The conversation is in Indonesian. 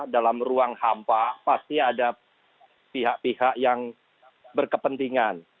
dalam ruang hampa pasti ada pihak pihak yang berkepentingan